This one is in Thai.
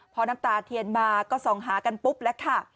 พอน้ำตาเทียนมาก็ส่องหากันปุ๊บแล้วค่ะ